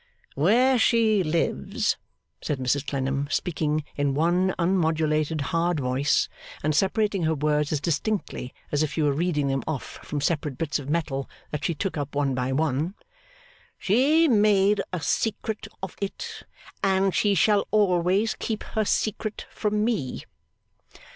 'Wherever she lives,' said Mrs Clennam, speaking in one unmodulated hard voice, and separating her words as distinctly as if she were reading them off from separate bits of metal that she took up one by one, 'she has made a secret of it, and she shall always keep her secret from me.